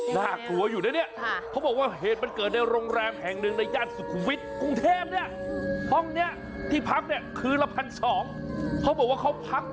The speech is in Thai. และห้องหลุมเต็มด้วยนะ